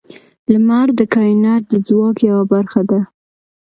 • لمر د کائنات د ځواک یوه برخه ده.